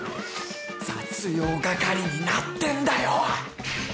雑用係になってんだよ！？